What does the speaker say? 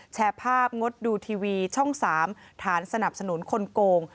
แชร์ภาพงดดูทีวีช่อง๓ฐานสนับสนุนคนโกง